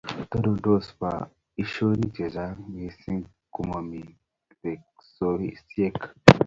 Tonondos boishionik che chang mising komomi teksosiek